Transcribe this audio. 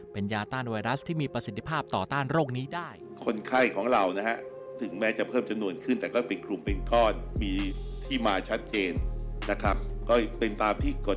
เป็นยาต้านไวรัสที่มีประสิทธิภาพต่อต้านโรคนี้ได้